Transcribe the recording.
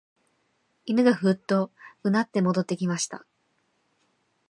犬がふうと唸って戻ってきました